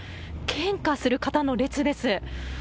献花する方の列です。